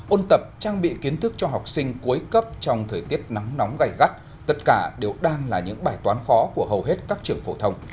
ôn tập trang bị kiến thức cho học sinh cuối cấp trong thời tiết nắng nóng gây gắt tất cả đều đang là những bài toán khó của hầu hết các trường phổ thông